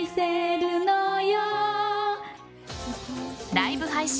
ライブ配信